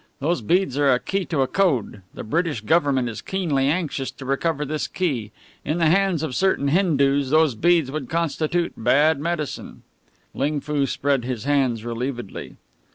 Those beads are a key to a code. The British Government is keenly anxious to recover this key. In the hands of certain Hindus those beads would constitute bad medicine." Ling Foo spread his hands relievedly.